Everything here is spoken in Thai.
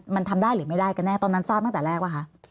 มันทำได้หรือไม่ได้กันแน่ตอนนั้นทราบตั้งแต่แรกป่ะคะ